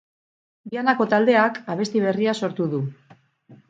Vianako taldeak abesti berria sortu du.